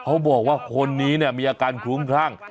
เขาบอกว่าคนนี้เนี่ยมีอาการคลุ้มคลั่ง